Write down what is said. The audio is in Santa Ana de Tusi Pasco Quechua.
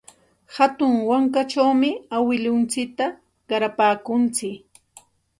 Hatun wankachawmi awkilluntsikta qarapaakuntsik.